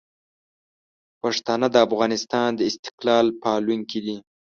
پښتانه د افغانستان د استقلال پالونکي دي.